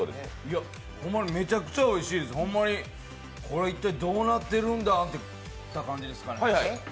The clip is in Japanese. めちゃくちゃおいしいです、ほんまにこれ、一体どうなってルンダンって感じですね。